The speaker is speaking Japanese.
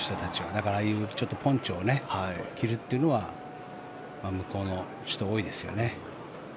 だから、ああいうポンチョを着るというのは向こうの人、多いですよね。